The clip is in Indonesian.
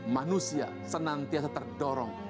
manusia senantiasa terdorong